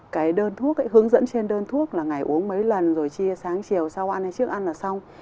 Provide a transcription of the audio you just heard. cái đơn thuốc ấy hướng dẫn trên đơn thuốc là ngày uống mấy lần rồi chia sáng chiều sau ăn hay trước ăn là xong